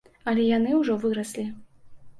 Але яны ўжо выраслі.